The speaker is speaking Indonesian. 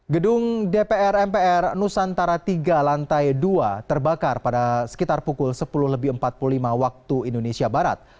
gedung dpr mpr nusantara tiga lantai dua terbakar pada sekitar pukul sepuluh lebih empat puluh lima waktu indonesia barat